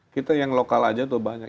kita yang lokal aja tuh banyak